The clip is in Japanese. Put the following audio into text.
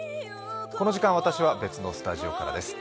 この時間、私は別のスタジオからです。